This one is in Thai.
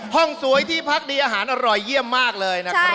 สวยที่พักดีอาหารอร่อยเยี่ยมมากเลยนะครับ